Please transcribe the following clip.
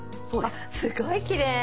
あっすごいきれい。